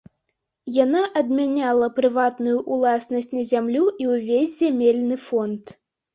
Яна адмяняла прыватную ўласнасць на зямлю і ўвесь зямельны фонд.